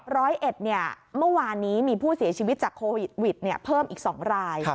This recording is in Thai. ร้อยเอ็ดเมื่อวานนี้มีผู้เสียชีวิตจากโควิดเพิ่มอีก๒ราย